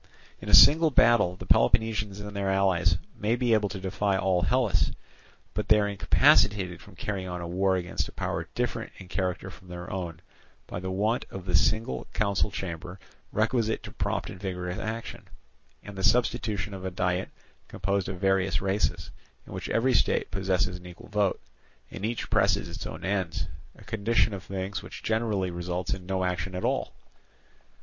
In a single battle the Peloponnesians and their allies may be able to defy all Hellas, but they are incapacitated from carrying on a war against a power different in character from their own, by the want of the single council chamber requisite to prompt and vigorous action, and the substitution of a diet composed of various races, in which every state possesses an equal vote, and each presses its own ends, a condition of things which generally results in no action at all.